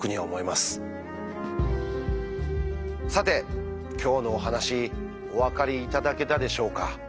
さて今日のお話お分かりいただけたでしょうか？